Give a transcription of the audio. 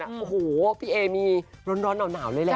โอ้โหพี่เอมีร้อนหนาวเลยแหละ